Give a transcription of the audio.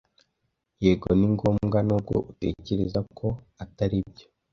"Yego, ni ngombwa, nubwo utekereza ko atari byo.